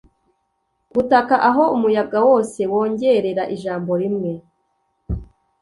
ubutaka aho umuyaga wose wongorera ijambo rimwe,